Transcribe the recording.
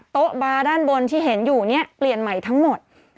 โต๊ะบาร์ด้านบนที่เห็นอยู่เนี่ยเปลี่ยนใหม่ทั้งหมด